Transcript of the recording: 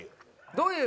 どういう？